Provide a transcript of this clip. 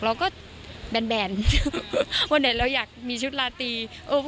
เราก็แบนวันไหนเราอยากมีชุดลาตี